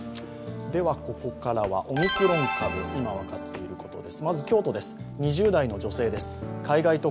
ここからはオミクロン株、今分かっていることです。